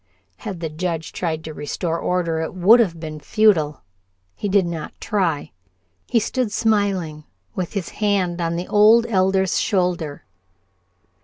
Had the Judge then tried to restore order it would have been futile. He did not try. He stood smiling, with his hand on the old Elder's shoulder.